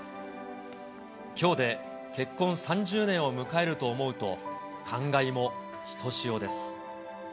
きょうで結婚３０年を迎えると思うと、感慨もひとしおです。